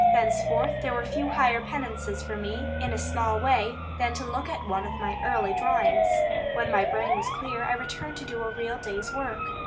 Thenceforth there were few higher penances for me, in a small way, than to look at one of my early drawings. When my brain was clear, I returned to do a real day's work.